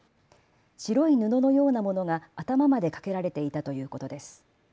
白い布のようなものが頭まで掛けられていたということです。